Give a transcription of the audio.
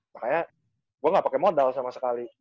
makanya gue gak pakai modal sama sekali